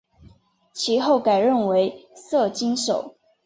其后改任为摄津守。